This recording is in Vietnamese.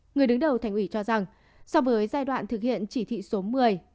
người đứng đầu thành ủy cho rằng so với giai đoạn thực hiện chỉ thị số một mươi